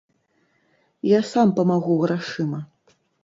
Я сам памагу грашыма.